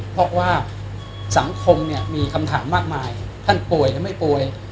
เพราะว่าสังคมเนี่ยมีคำถามมากมายท่านป่วยหรือไม่ป่วย